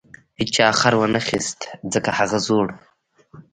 هیچا خر ونه خیست ځکه هغه زوړ و.